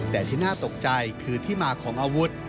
แต่ที่น่าตกใจคือที่มาของอาวุธ